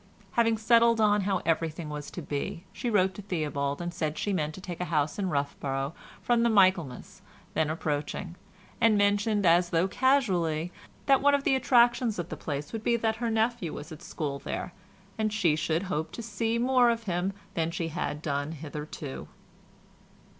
Having settled how everything was to be, she wrote to Theobald and said she meant to take a house in Roughborough from the Michaelmas then approaching, and mentioned, as though casually, that one of the attractions of the place would be that her nephew was at school there and she should hope to see more of him than she had done hitherto.